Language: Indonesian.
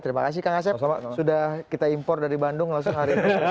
terima kasih kang asep sudah kita impor dari bandung langsung hari ini